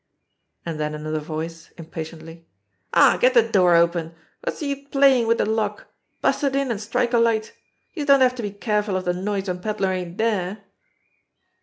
And then another voice, impatiently: "Aw, get de door open ! Wot's de use playin' wid de lock? Bust it in, an' strike a light ! Youse don't have to be careful of de noise when Pedler ain't dere."